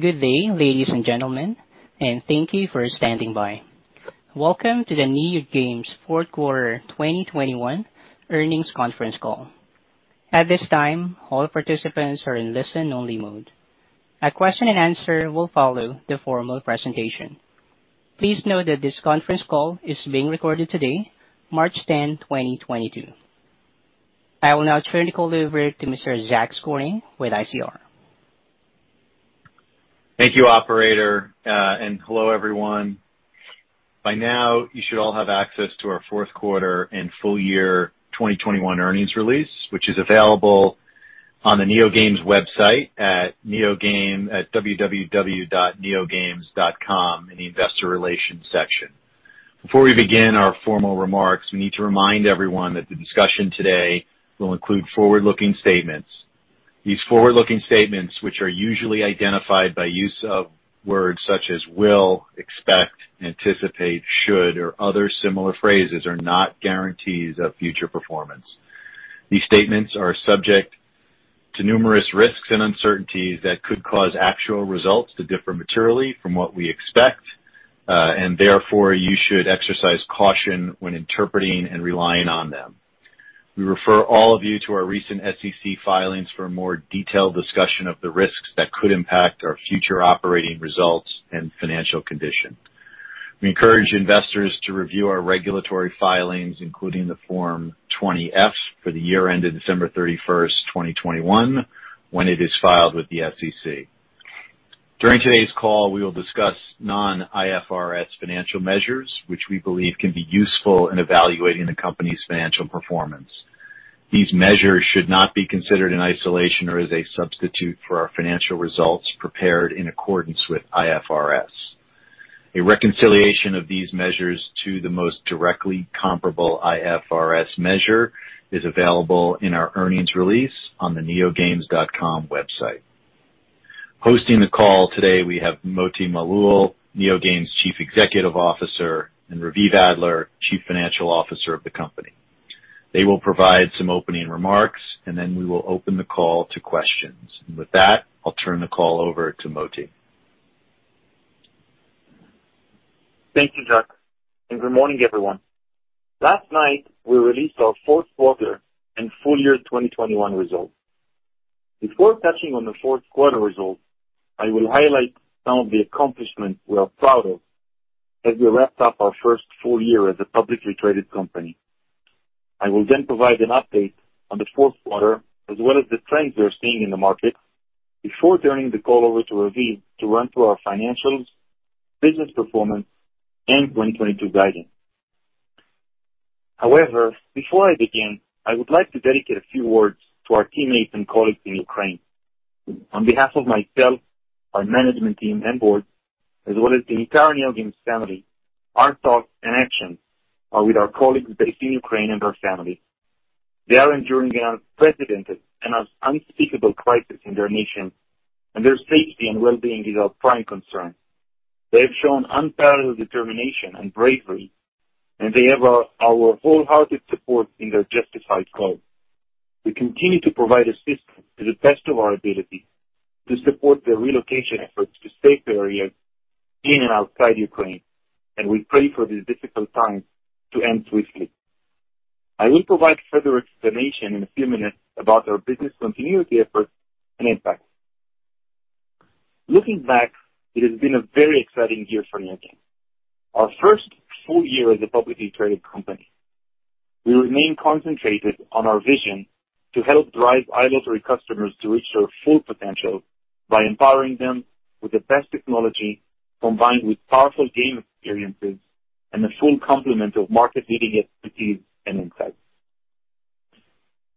Good day, ladies and gentlemen, and thank you for standing by. Welcome to the NeoGames Q4 2021 Earnings Conference Call. At this time, all participants are in listen-only mode. A question and answer will follow the formal presentation. Please note that this conference call is being recorded today, March 10, 2022. I will now turn the call over to Mr. Jack Cornet with ICR. Thank you, operator, and hello, everyone. By now, you should all have access to our Q4 and full-year 2021 earnings release, which is available on the NeoGames website at neogames.com in the investor relations section. Before we begin our formal remarks, we need to remind everyone that the discussion today will include forward-looking statements. These forward-looking statements, which are usually identified by use of words such as will, expect, anticipate, should, or other similar phrases, are not guarantees of future performance. These statements are subject to numerous risks and uncertainties that could cause actual results to differ materially from what we expect. Therefore, you should exercise caution when interpreting and relying on them. We refer all of you to our recent SEC filings for a more detailed discussion of the risks that could impact our future operating results and financial condition. We encourage investors to review our regulatory filings, including the Form 20-F for the year ended December 31, 2021, when it is filed with the SEC. During today's call, we will discuss non-IFRS financial measures, which we believe can be useful in evaluating the company's financial performance. These measures should not be considered in isolation or as a substitute for our financial results prepared in accordance with IFRS. A reconciliation of these measures to the most directly comparable IFRS measure is available in our earnings release on the neogames.com website. Hosting the call today, we have Moti Malul, NeoGames Chief Executive Officer, and Raviv Adler, Chief Financial Officer of the company. They will provide some opening remarks, and then we will open the call to questions. With that, I'll turn the call over to Moti. Thank you, Jacques Cornet, and good morning, everyone. Last night, we released our Q4 and full-year 2021 results. Before touching on the Q4 results, I will highlight some of the accomplishments we are proud of as we wrapped up our first full-year as a publicly traded company. I will then provide an update on the fourth quarter, as well as the trends we are seeing in the market before turning the call over to Raviv to run through our financials, business performance, and 2022 guidance. However, before I begin, I would like to dedicate a few words to our teammates and colleagues in Ukraine. On behalf of myself, our management team, and board, as well as the entire NeoGames family, our thoughts and actions are with our colleagues based in Ukraine and their families. They are enduring an unprecedented and unspeakable crisis in their nation, and their safety and well-being is our prime concern. They have shown unparalleled determination and bravery, and they have our wholehearted support in their justified cause. We continue to provide assistance to the best of our ability to support their relocation efforts to safe areas in and outside Ukraine, and we pray for these difficult times to end swiftly. I will provide further explanation in a few minutes about our business continuity efforts and impact. Looking back, it has been a very exciting year for NeoGames, our first full year as a publicly traded company. We remain concentrated on our vision to help drive iLottery customers to reach their full potential by empowering them with the best technology, combined with powerful game experiences and a full complement of market-leading expertise and insights.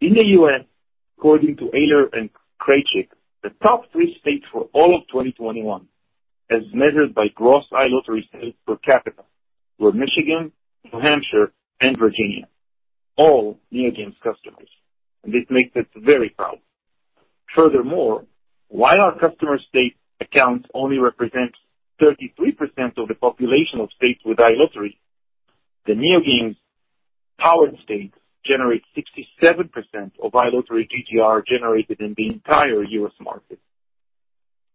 In the U.S., according to Eilers & Krejcik, the top three states for all of 2021, as measured by gross iLottery sales per capita, were Michigan, New Hampshire, and Virginia, all NeoGames customers. This makes us very proud. Furthermore, while our customer state accounts only represent 33% of the population of states with iLottery, the NeoGames-powered states generate 67% of iLottery GGR generated in the entire U.S. market.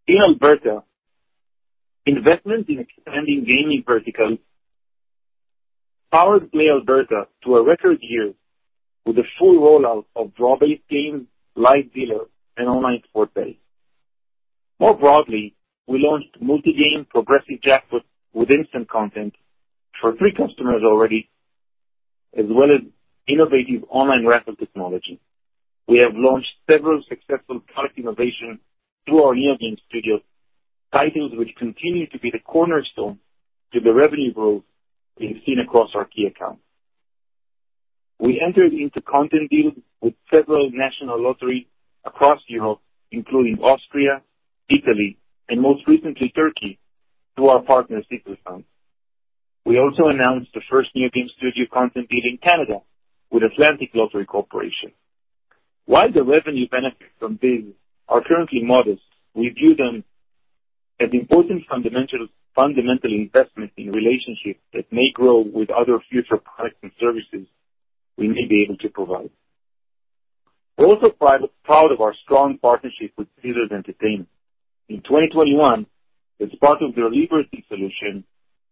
In Alberta, investment in expanding gaming verticals powered PlayAlberta to a record year with the full rollout of draw-based games, live dealer, and online sports betting. More broadly, we launched multi-game progressive jackpot with instant content for three customers already, as well as innovative online raffle technology. We have launched several successful product innovations through our NeoGames Studio, titles which continue to be the cornerstone to the revenue growth being seen across our key accounts. We entered into content deals with several national lotteries across Europe, including Austria, Italy, and most recently, Turkey, through our partner, Sisal Şans. We also announced the first NeoGames Studio content deal in Canada with Atlantic Lottery Corporation. While the revenue benefits from these are currently modest, we view them as an important fundamental investment in relationships that may grow with other future products and services we may be able to provide. We're also proud of our strong partnership with Caesars Entertainment. In 2021, as part of their Liberty solution,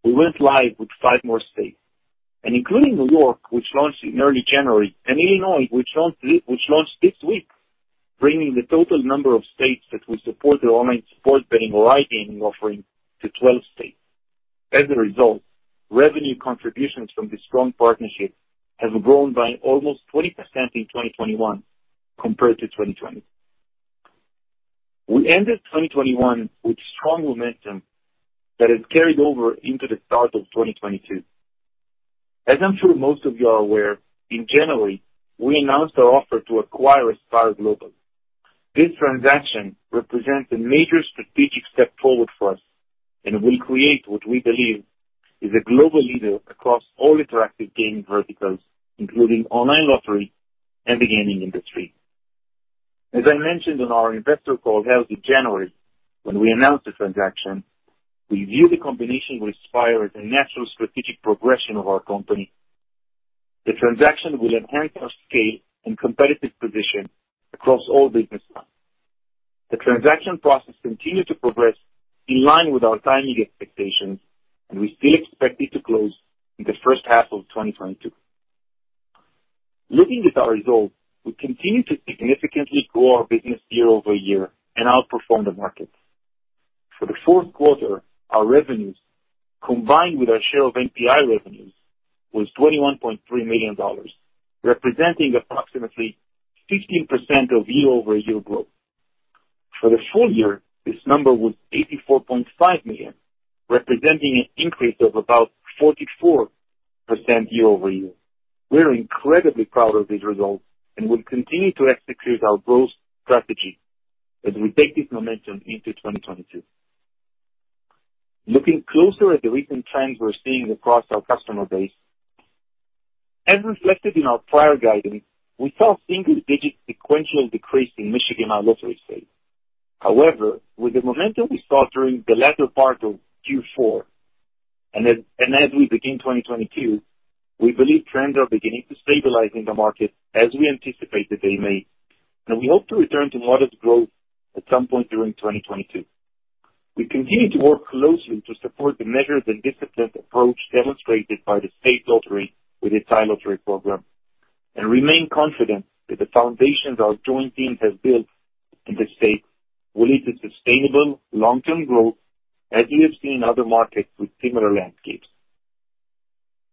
we went live with five more states, including New York, which launched in early January, and Illinois, which launched this week, bringing the total number of states that will support their online sports betting or iGaming offering to 12 states. As a result, revenue contributions from this strong partnership have grown by almost 20% in 2021 compared to 2020. We ended 2021 with strong momentum that has carried over into the start of 2022. As I'm sure most of you are aware, in January, we announced our offer to acquire Aspire Global. This transaction represents a major strategic step forward for us, and will create what we believe is a global leader across all interactive gaming verticals, including online lottery and the gaming industry. As I mentioned on our investor call held in January when we announced the transaction, we view the combination with Aspire as a natural strategic progression of our company. The transaction will enhance our scale and competitive position across all business lines. The transaction process continued to progress in line with our timing expectations, and we still expect it to close in the H1 of 2022. Looking at our results, we continue to significantly grow our business year-over-year and outperform the market. For the fourth quarter, our revenues, combined with our share of NPI revenues, was $21.3 million, representing approximately 15% year-over-year growth. For the full-year, this number was $84.5 million, representing an increase of about 44% year-over-year. We are incredibly proud of these results, and will continue to execute our growth strategy as we take this momentum into 2022. Looking closer at the recent trends we're seeing across our customer base. As reflected in our prior guidance, we saw single-digit sequential decrease in Michigan, our lottery state. However, with the momentum we saw during the latter part of Q4 and as we begin 2022, we believe trends are beginning to stabilize in the market as we anticipated they may. We hope to return to modest growth at some point during 2022. We continue to work closely to support the measured and disciplined approach demonstrated by the state lottery with its iLottery program, and remain confident that the foundations our joint team has built in the state will lead to sustainable long-term growth, as we have seen in other markets with similar landscapes.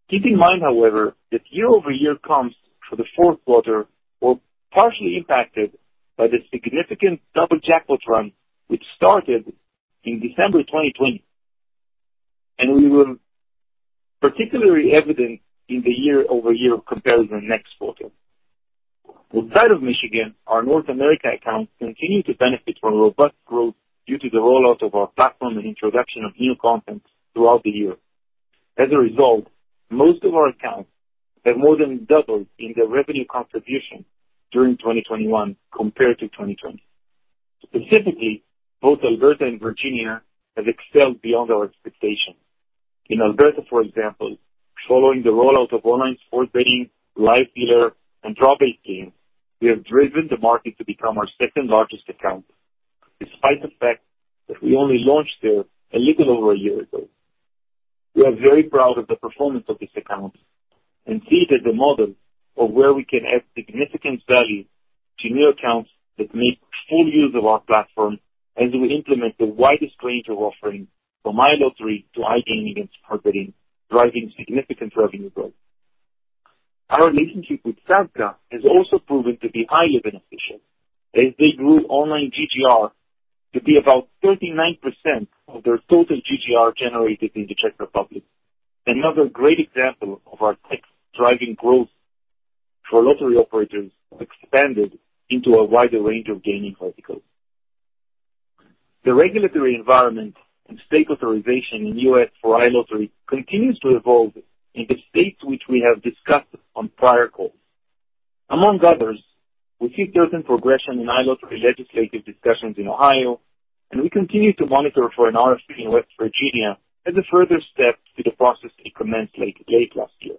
Keep in mind, however, that year-over-year comps for the Q4 were partially impacted by the significant double jackpot run which started in December 2020, and it was particularly evident in the year-over-year comparison next quarter. Outside of Michigan, our North America accounts continue to benefit from robust growth due to the rollout of our platform and introduction of new content throughout the year. As a result, most of our accounts have more than doubled in their revenue contribution during 2021 compared to 2020. Specifically, both Alberta and Virginia have excelled beyond our expectations. In Alberta, for example, following the rollout of online sports betting, live dealer, and draw-based games, we have driven the market to become our second-largest account, despite the fact that we only launched there a little over a year ago. We are very proud of the performance of this account and see it as a model of where we can add significant value to new accounts that make full use of our platform as we implement the widest range of offerings from iLottery to iGaming and sports betting, driving significant revenue growth. Our relationship with SAZKA has also proven to be highly beneficial, as they grew online GGR to be about 39% of their total GGR generated in the Czech Republic. Another great example of our tech-driving growth for lottery operators expanded into a wider range of gaming verticals. The regulatory environment and state authorization in the U.S. for iLottery continues to evolve in the states which we have discussed on prior calls. Among others, we see certain progression in iLottery legislative discussions in Ohio, and we continue to monitor for an RFP in West Virginia as a further step to the process it commenced late last year.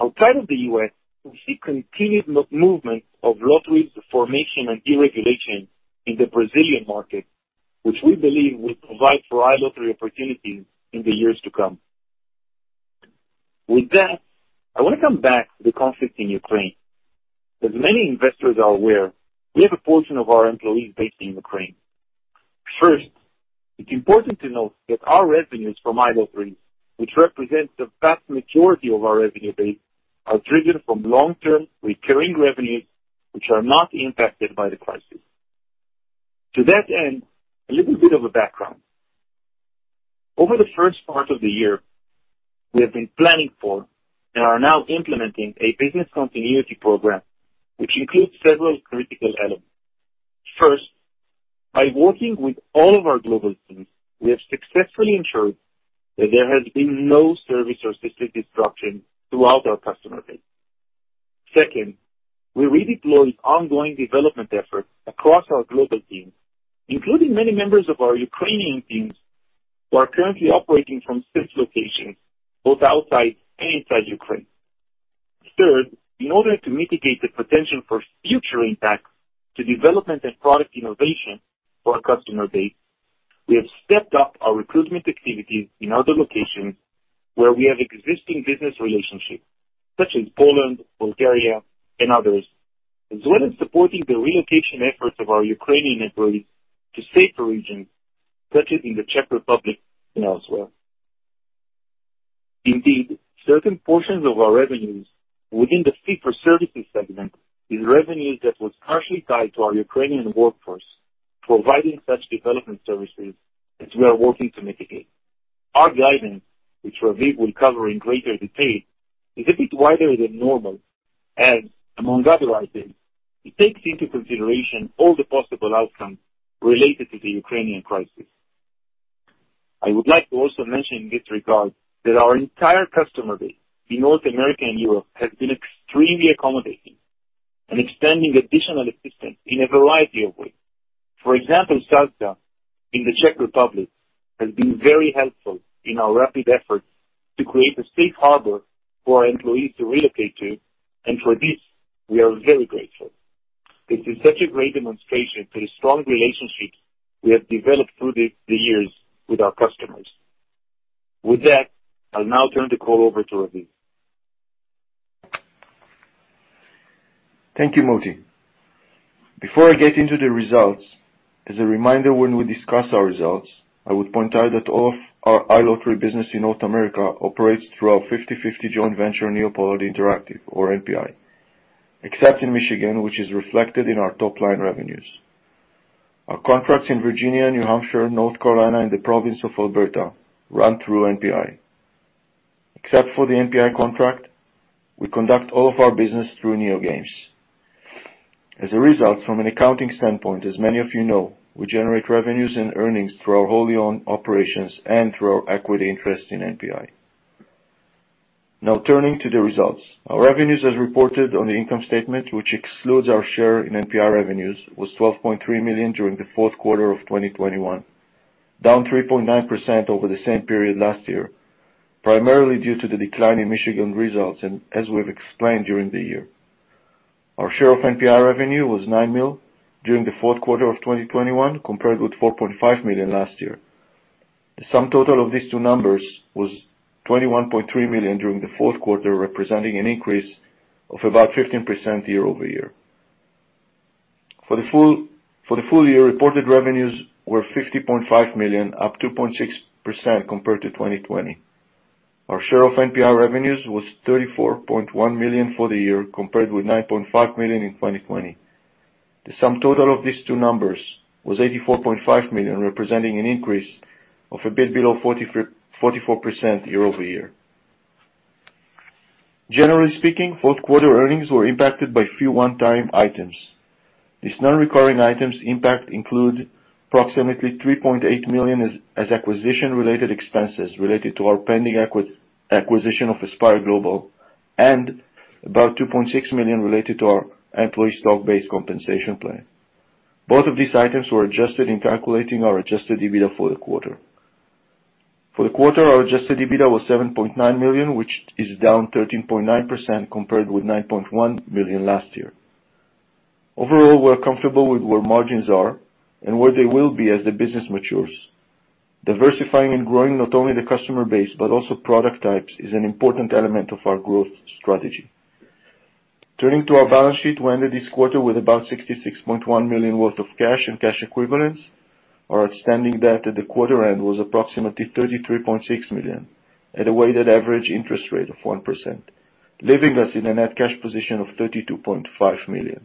Outside of the U.S., we see continued movement of lotteries formation and deregulation in the Brazilian market, which we believe will provide for iLottery opportunities in the years to come. With that, I want to come back to the conflict in Ukraine. As many investors are aware, we have a portion of our employees based in Ukraine. First, it's important to note that our revenues from iLottery, which represents the vast majority of our revenue base, are driven from long-term recurring revenues which are not impacted by the crisis. To that end, a little bit of a background. Over the first part of the year, we have been planning for and are now implementing a business continuity program, which includes several critical elements. First, by working with all of our global teams, we have successfully ensured that there has been no service or systemic disruption throughout our customer base. Second, we redeployed ongoing development efforts across our global teams, including many members of our Ukrainian teams who are currently operating from safe locations both outside and inside Ukraine. Third, in order to mitigate the potential for future impacts to development and product innovation for our customer base, we have stepped up our recruitment activities in other locations where we have existing business relationships such as Poland, Bulgaria and others, as well as supporting the relocation efforts of our Ukrainian employees to safer regions such as in the Czech Republic and elsewhere. Indeed, certain portions of our revenues within the fee-for-services segment is revenue that was partially tied to our Ukrainian workforce providing such development services as we are working to mitigate. Our guidance, which Raviv will cover in greater detail, is a bit wider than normal as, among other items, it takes into consideration all the possible outcomes related to the Ukrainian crisis. I would like to also mention in this regard that our entire customer base in North America and Europe has been extremely accommodating in extending additional assistance in a variety of ways. For example, SAZKA in the Czech Republic has been very helpful in our rapid efforts to create a safe harbor for our employees to relocate to. For this we are very grateful. This is such a great demonstration to the strong relationships we have developed through the years with our customers. With that, I'll now turn the call over to Raviv. Thank you, Moti. Before I get into the results, as a reminder, when we discuss our results, I would point out that all of our iLottery business in North America operates through our 50-50 joint venture, NeoPollard Interactive or NPI, except in Michigan, which is reflected in our top line revenues. Our contracts in Virginia, New Hampshire, North Carolina and the province of Alberta run through NPI. Except for the NPI contract, we conduct all of our business through NeoGames. As a result, from an accounting standpoint, as many of you know, we generate revenues and earnings through our wholly-owned operations and through our equity interest in NPI. Now turning to the results. Our revenues as reported on the income statement, which excludes our share in NPI revenues, was $12.3 million during the fourth quarter of 2021, down 3.9% over the same period last year, primarily due to the decline in Michigan results, and as we've explained during the year. Our share of NPI revenue was nine million during the Q4 of 2021, compared with $4.5 million last year. The sum total of these two numbers was $21.3 million during the fourth quarter, representing an increase of about 15% year-over-year. For the full-year, reported revenues were $50.5 million, up 2.6% compared to 2020. Our share of NPI revenues was $34.1 million for the year, compared with $9.5 million in 2020. The sum total of these two numbers was $84.5 million, representing an increase of a bit below 44% year-over-year. Generally speaking, fourth quarter earnings were impacted by few one-time items. These non-recurring items impact include approximately $3.8 million as acquisition-related expenses related to our pending acquisition of Aspire Global and about $2.6 million related to our employee stock-based compensation plan. Both of these items were adjusted in calculating our adjusted EBITDA for the quarter. For the quarter, our adjusted EBITDA was $7.9 million, which is down 13.9% compared with $9.1 million last year. Overall, we're comfortable with where margins are and where they will be as the business matures. Diversifying and growing not only the customer base, but also product types, is an important element of our growth strategy. Turning to our balance sheet, we ended this quarter with about $66.1 million worth of cash and cash equivalents. Our outstanding debt at the quarter end was approximately $33.6 million at a weighted average interest rate of 1%, leaving us in a net cash position of $32.5 million.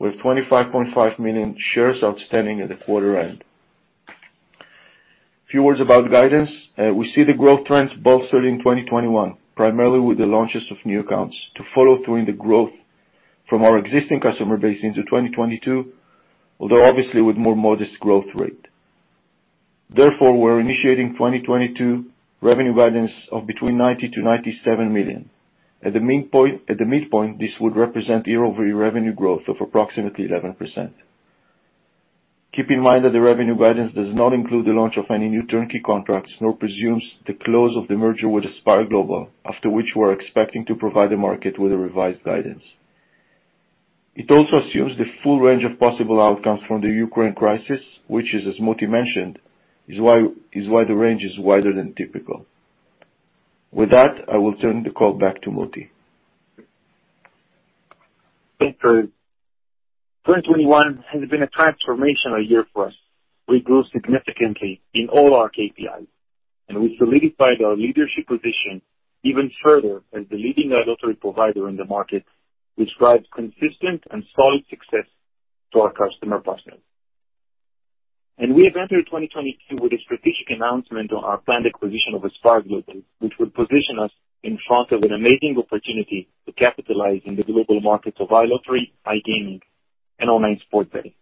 We have 25.5 million shares outstanding at the quarter end. Few words about guidance. We see the growth trends bolstered in 2021, primarily with the launches of new accounts to follow through in the growth from our existing customer base into 2022, although obviously with more modest growth rate. Therefore, we're initiating 2022 revenue guidance of between $90 million to $97 million. At the midpoint, this would represent year-over-year revenue growth of approximately 11%. Keep in mind that the revenue guidance does not include the launch of any new turnkey contracts, nor presumes the close of the merger with Aspire Global, after which we're expecting to provide the market with a revised guidance. It also assumes the full range of possible outcomes from the Ukraine crisis, which, as Moti mentioned, is why the range is wider than typical. With that, I will turn the call back to Moti. Thanks, Rav. 2021 has been a transformational year for us. We grew significantly in all our KPIs, and we solidified our leadership position even further as the leading iLottery provider in the market, which drives consistent and solid success to our customer partners. We have entered 2022 with a strategic announcement on our planned acquisition of Aspire Global, which will position us in front of an amazing opportunity to capitalize in the global markets of iLottery, iGaming and online sports betting.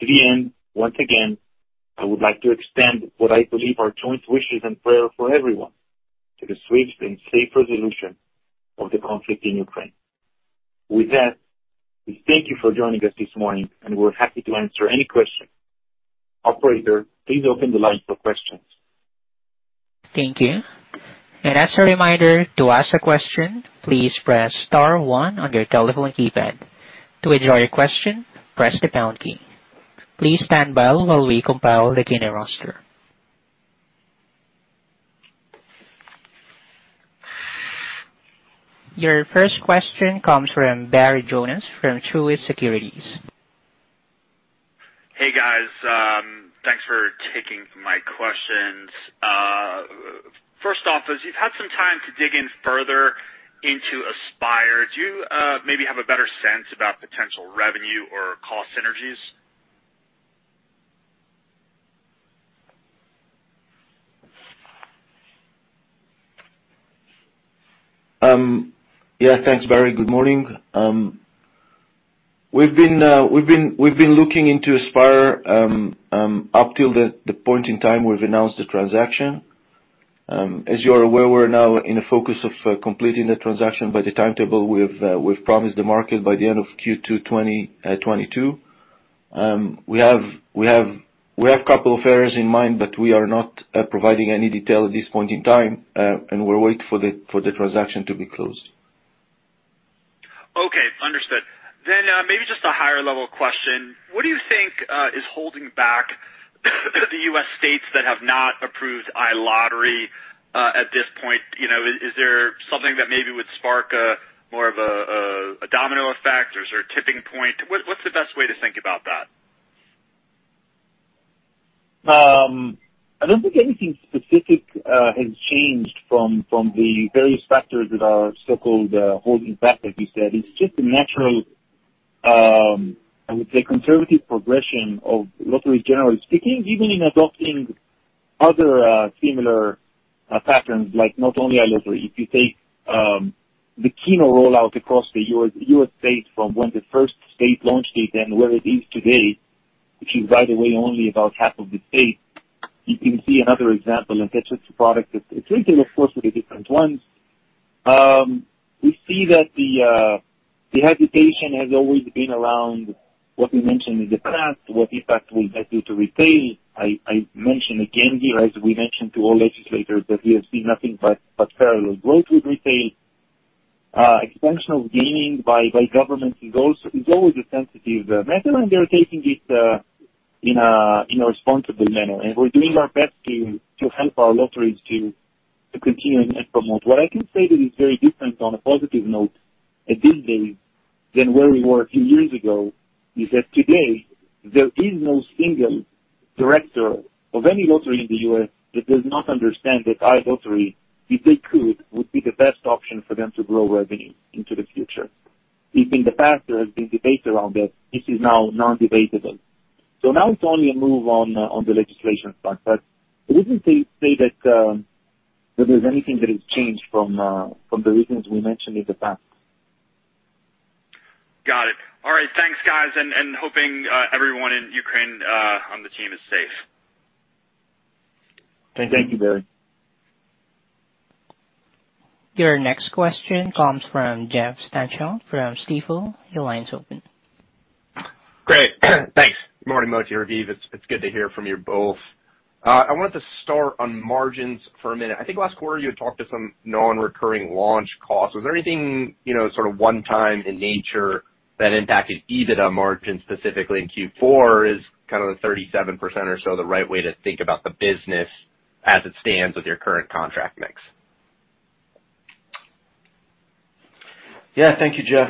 To that end, once again, I would like to extend what I believe our joint wishes and prayers for everyone to the swift and safe resolution of the conflict in Ukraine. With that, we thank you for joining us this morning, and we're happy to answer any question. Operator, please open the line for questions. Thank you. As a reminder, to ask a question, please press star one on your telephone keypad. To withdraw your question, press the pound key. Please stand by while we compile the caller roster. Your first question comes from Barry Jonas from Truist Securities. Hey, guys. Thanks for taking my questions. First off, as you've had some time to dig in further into Aspire, do you maybe have a better sense about potential revenue or cost synergies? Yeah, thanks, Barry. Good morning. We've been looking into Aspire up till the point in time we've announced the transaction. As you are aware, we're now in the focus of completing the transaction by the timetable we've promised the market by the end of Q2 2022. We have a couple of areas in mind, but we are not providing any detail at this point in time, and we'll wait for the transaction to be closed. Okay. Understood. Maybe just a higher level question. What do you think is holding back the U.S. states that have not approved iLottery at this point? Is there something that maybe would spark more of a domino effect or is there a tipping point? What's the best way to think about that? I don't think anything specific has changed from the various factors that are so-called holding back, as you said. It's just a natural, I would say conservative progression of lotteries, generally speaking, even in adopting other similar patterns like not only iLottery. If you take the Keno rollout across the U.S., U.S. state from when the first state launched it and where it is today, which is, by the way, only about half of the state, you can see another example, and that's just a product that's equivalent of course, with the different ones. We see that the hesitation has always been around what we mentioned in the past, what impact will that do to retail. I mentioned again here, as we mentioned to all legislators that we have seen nothing but parallel growth with retail. Expansion of gaming by government is always a sensitive matter, and they are taking it in a responsible manner. We're doing our best to help our lotteries to continue and promote. What I can say that is very different on a positive note at this stage than where we were a few years ago is that today there is no single director of any lottery in the U.S. that does not understand that iLottery, if they could, would be the best option for them to grow revenue into the future. If in the past there has been debate around it, this is now non-debatable. Now it's only a move on the legislation front, but I wouldn't say that there's anything that has changed from the reasons we mentioned in the past. Got it. All right. Thanks, guys. Hoping everyone in Ukraine on the team is safe. Thank you, Barry. Your next question comes from Jeff Stantial from Stifel. Your line's open. Great. Thanks. Good morning, Moti, Raviv. It's good to hear from you both. I wanted to start on margins for a minute. I think last quarter you had talked to some non-recurring launch costs. Was there anything, you know, sort of one-time in nature that impacted EBITDA margins specifically in Q4 or is kind of the 37% or so the right way to think about the business as it stands with your current contract mix? Yeah. Thank you, Jeff.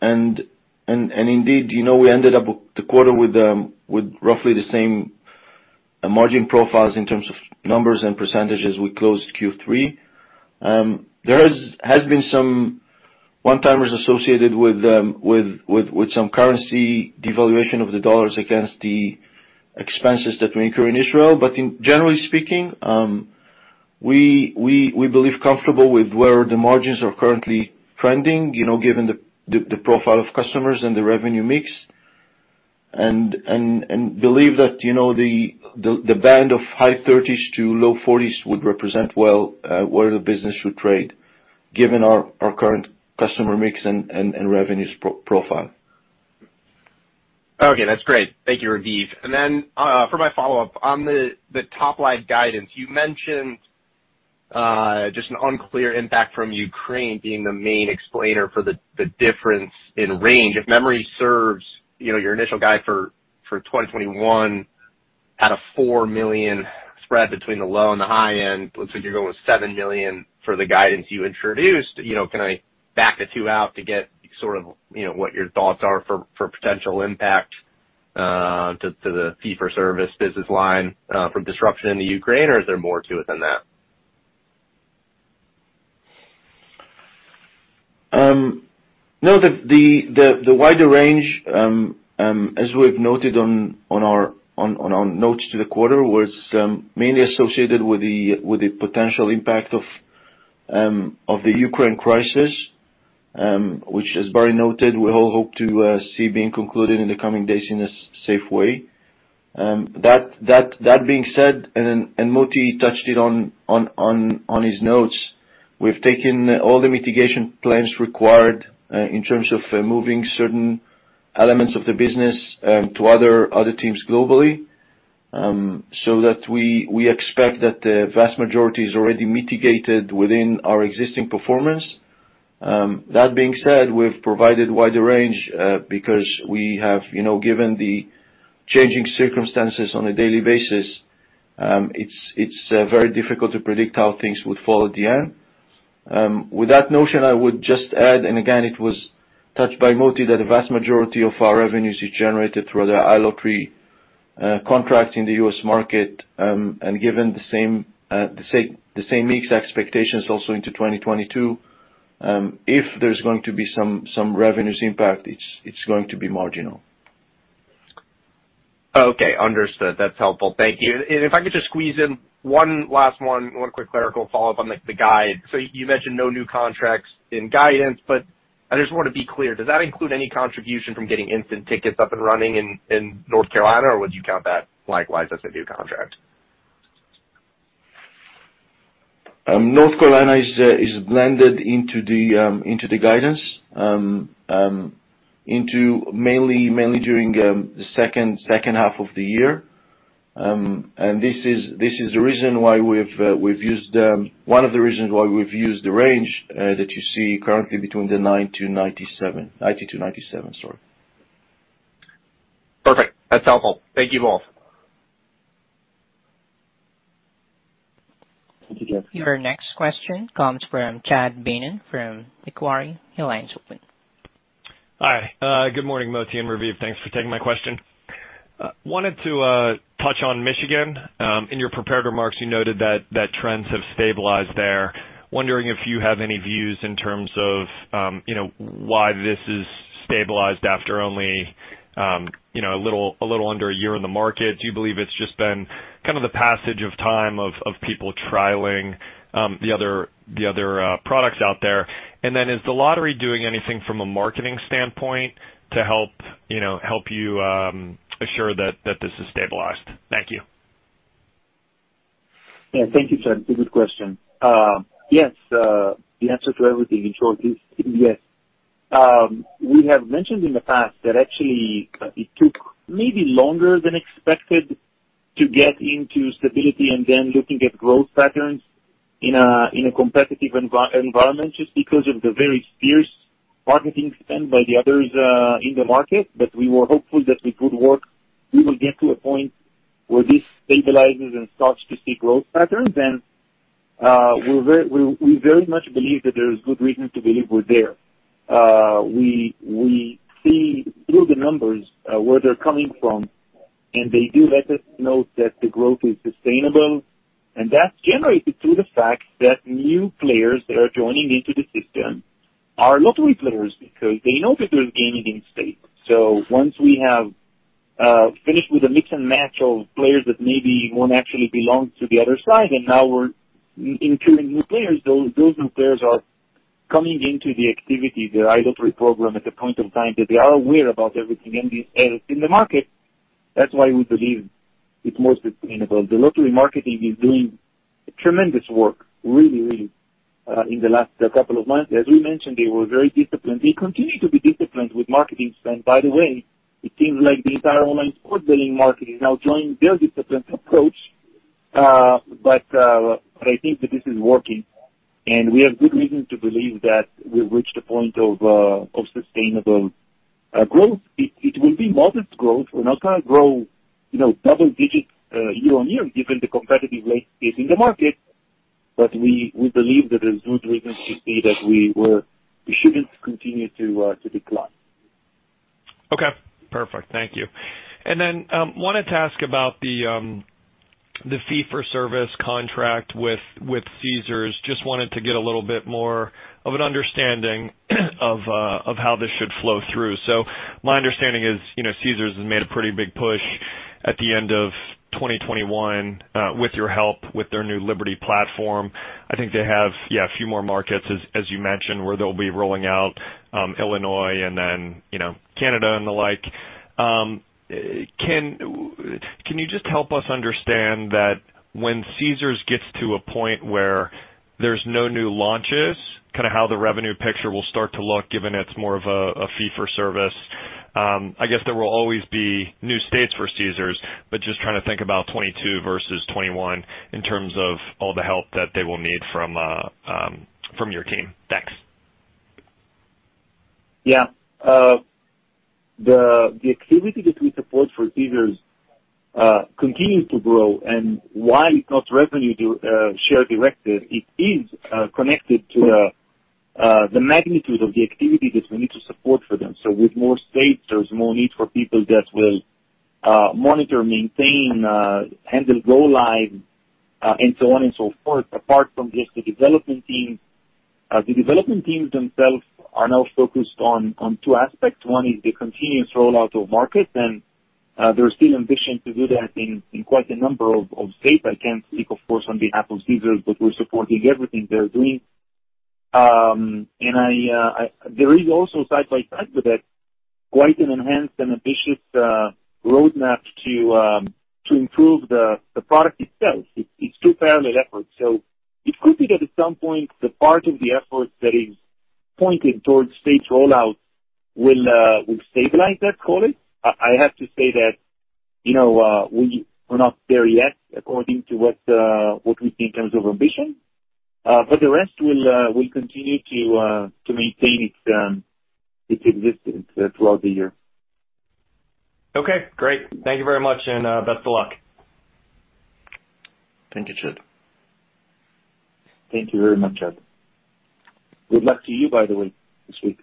Indeed, you know, we ended up the quarter with roughly the same margin profiles in terms of numbers and % we closed Q3. There has been some one-timers associated with some currency devaluation of the dollars against the expenses that we incur in Israel. But generally speaking, we believe comfortable with where the margins are currently trending, you know, given the profile of customers and the revenue mix, and believe that, the band of high 30% to low 40% would represent well where the business should trade given our current customer mix and revenues profile. Okay. That's great. Thank you, Raviv. For my follow-up, on the top line guidance, you mentioned just an unclear impact from Ukraine being the main explainer for the difference in range. If memory serves, you know, your initial guide for 2021 had a $4 million spread between the low and the high end. Looks like you're going with $7 million for the guidance you introduced. You know, can I back the two out to get sort of, you know, what your thoughts are for potential impact to the fee for service business line from disruption in the Ukraine, or is there more to it than that? No. The wider range, as we've noted on our notes to the quarter, was mainly associated with the potential impact of the Ukraine crisis, which as Barry noted, we all hope to see being concluded in the coming days in a safe way. That being said, Moti touched it on his notes, we've taken all the mitigation plans required, in terms of moving certain elements of the business, to other teams globally, so that we expect that the vast majority is already mitigated within our existing performance. That being said, we've provided wider range, because we have, you know, given the changing circumstances on a daily basis, it's very difficult to predict how things would fall at the end. With that notion, I would just add, and again, it was touched by Moti that the vast majority of our revenues is generated through the iLottery contract in the U.S. market, and given the same, the same mixed expectations also into 2022, if there's going to be some revenues impact, it's going to be marginal. Okay. Understood. That's helpful. Thank you. If I could just squeeze in one last one quick clerical follow-up on the guide. You mentioned no new contracts in guidance, but I just wanna be clear, does that include any contribution from getting Instant Tickets up and running in North Carolina, or would you count that likewise as a new contract? North Carolina is blended into the guidance mainly during the second half of the year. This is one of the reasons why we've used the range that you see currently between $90-$97. Perfect. That's helpful. Thank you both. Thank you. Your next question comes from Chad Beynon from Macquarie. Your line's open. Hi. Good morning, Moti and Raviv. Thanks for taking my question. Wanted to touch on Michigan. In your prepared remarks, you noted that trends have stabilized there. Wondering if you have any views in terms of you know, why this is stabilized after only you know, a little under a year in the market. Do you believe it's just been kind of the passage of time of people trialing the other products out there? Is the lottery doing anything from a marketing standpoint to help you know, help you assure that this is stabilized? Thank you. Yeah. Thank you, Chad. It's a good question. Yes, the answer to everything in short is yes. We have mentioned in the past that actually it took maybe longer than expected to get into stability and then looking at growth patterns in a competitive environment just because of the very fierce marketing spend by the others in the market. We were hopeful that with good work, we will get to a point where this stabilizes and starts to see growth patterns. We very much believe that there is good reason to believe we're there. We see through the numbers where they're coming from, and they do let us know that the growth is sustainable, and that's generated through the fact that new players that are joining into the system are lottery players because they know that there's gaming in state. Once we have finished with a mix and match of players that maybe won't actually belong to the other side and now we're including new players, those new players are coming into the activity, the iLottery program, at the point of time that they are aware about everything in the market. That's why we believe it's most sustainable. The lottery marketing is doing tremendous work, really, in the last couple of months. As we mentioned, they were very disciplined. They continue to be disciplined with marketing spend. By the way, it seems like the entire online sports betting market is now joining their disciplined approach, but I think that this is working and we have good reason to believe that we've reached a point of sustainable growth. It will be modest growth. We're not gonna grow, you know, double digits year on year given the competitive landscape in the market, but we believe that there's good reason to see that we shouldn't continue to decline. Okay. Perfect. Thank you. Then wanted to ask about the fee for service contract with Caesars. Just wanted to get a little bit more of an understanding of how this should flow through. My understanding is, you know, Caesars has made a pretty big push at the end of 2021 with your help with their new Liberty platform. I think they have, yeah, a few more markets, as you mentioned, where they'll be rolling out Illinois and then, you know, Canada and the like. Can you just help us understand that when Caesars gets to a point where there's no new launches, kinda how the revenue picture will start to look given it's more of a fee for service? I guess there will always be new states for Caesars, but just trying to think about 2022 versus 2021 in terms of all the help that they will need from your team. Thanks. Yeah. The activity that we support for Caesars continues to grow. While it's not revenue-share directed, it is connected to the magnitude of the activity that we need to support for them. With more states, there's more need for people that will monitor, maintain, handle go live, and so on and so forth, apart from just the development teams. The development teams themselves are now focused on two aspects. One is the continuous rollout of markets, and there's still ambition to do that in quite a number of states. I can't speak, of course, on behalf of Caesars, but we're supporting everything they're doing. I... There is also side by side with that quite an enhanced and ambitious roadmap to improve the product itself. It's two parallel efforts. It could be that at some point the part of the effort that is pointed towards states rollout will stabilize that, call it. I have to say that, you know, we're not there yet according to what we see in terms of ambition. For the rest, we'll continue to maintain its existence throughout the year. Okay. Great. Thank you very much, and best of luck. Thank you, Chad. Thank you very much, Chad. Good luck to you, by the way, this week.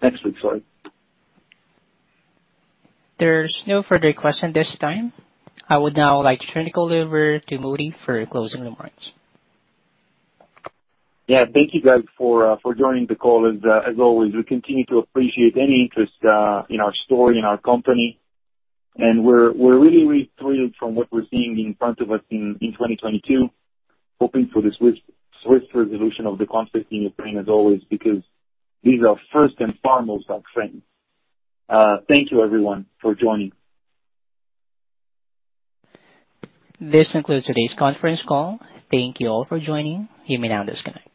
Next week, sorry. There's no further question at this time. I would now like to turn the call over to Moti for closing remarks. Yeah. Thank you guys for joining the call. As always, we continue to appreciate any interest in our story and our company. We're really thrilled from what we're seeing in front of us in 2022. Hoping for this swift resolution of the conflict in Ukraine as always, because these are first and foremost our friends. Thank you everyone for joining. This concludes today's conference call. Thank you all for joining. You may now disconnect.